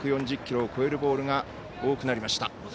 １４０キロを超えるボールが多くなりました。